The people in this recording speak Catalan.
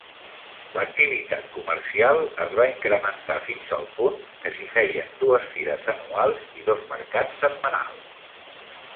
L'activitat comercial es va incrementar fins al punt que s'hi feien dues fires anuals i dos mercats setmanals.